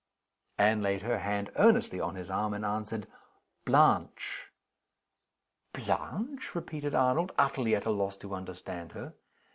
Anne laid her hand earnestly on his arm, and answered: "Blanche!" "Blanche?" repeated Arnold, utterly at a loss to understand her.